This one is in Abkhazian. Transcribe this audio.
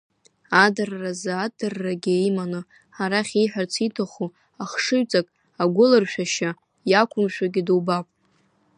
Адырразы адыррагьы иманы, арахь ииҳәарц ииҭаху ахшыҩҵак агәылыршәашьа иақәымшәогьы дубап.